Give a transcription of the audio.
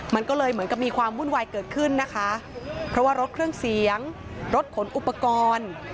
มันก็เลยเหมือนกับมีความวุ่นวายเกิดขึ้นนะคะเพราะว่ารถเครื่องเสียงรถขนอุปกรณ์